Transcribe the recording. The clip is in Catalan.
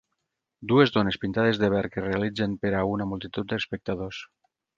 Dues dones pintades de verd que realitzen per a una multitud d'espectadors.